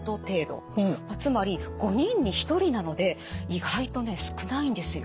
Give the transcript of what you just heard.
つまり５人に１人なので意外とね少ないんですよ。